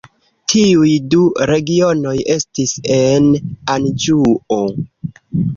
Tiuj du regionoj estis en Anĵuo.